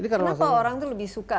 kenapa orang itu lebih suka